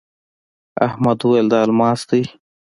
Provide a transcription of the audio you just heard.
احمد وويل: دا الماس دی.